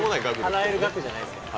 払える額じゃないですね。